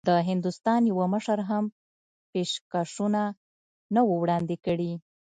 د هندوستان یوه مشر هم پېشکشونه نه وو وړاندي کړي.